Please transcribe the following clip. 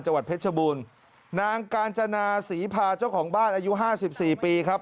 จังหวัดเพชรบูนนางกาญจนาศรีพาเจ้าของบ้านอายุ๕๔ปีครับ